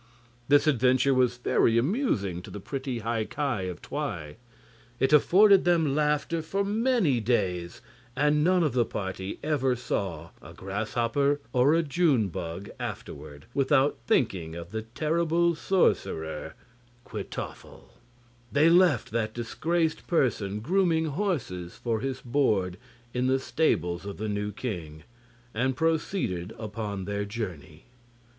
This adventure was very amusing to the pretty High Ki of Twi. It afforded them laughter for many days, and none of the party ever saw a grasshopper or a june bug afterward without thinking of the terrible sorcerer Kwytoffle. They left that disgraced person grooming horses for his board in the stables of the new king, and proceeded upon their journey.